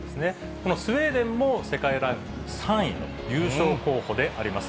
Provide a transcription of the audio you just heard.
このスウェーデン世界ランク３位の優勝候補であります。